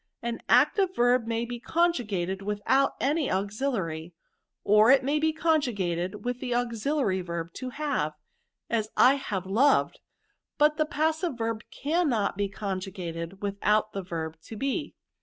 An active verb may be conjugated without YERBS. 269 any auxiliary ; or it may be conjugated with the auxiliary verb to hancj as I have loved ; but the passive verb cannot be conjugated without the verb to be.